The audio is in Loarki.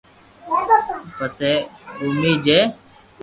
پسي گومي جي